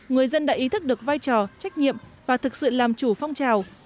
người dân đã ý thức được vai trò trách nhiệm và thực sự làm chủ phong trào